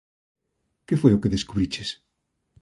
_¿Que foi o que descubriches?